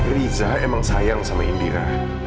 riza emang sayang sama indira